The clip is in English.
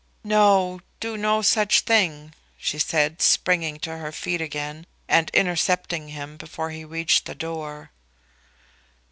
"No; do no such thing," she said, springing to her feet again and intercepting him before he reached the door.